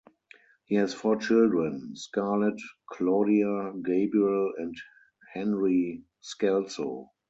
He has four children: Scarlett, Claudia, Gabriel, and Henry Scalzo.